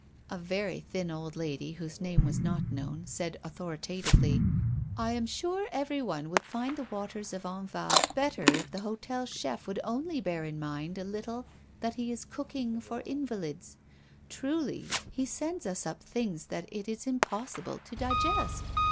A very thin, old lady, whose name was not known, said authoritatively: "I am sure everyone would find the waters of Enval better if the hotel chef would only bear in mind a little that he is cooking for invalids. Truly, he sends us up things that it is impossible to digest."